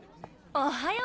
おはよう。